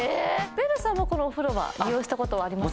ベルさんはこのお風呂は利用したことはありますか？